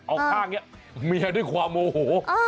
เอาข้างนี้เมียด้วยความโมโห